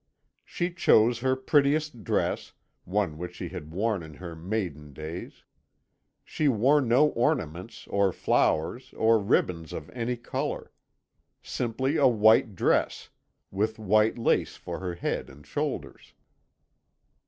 She chose her prettiest dress, one which she had worn in her maiden days. She wore no ornaments, or flowers or ribbons of any colour. Simply a white dress, with white lace for her head and shoulders.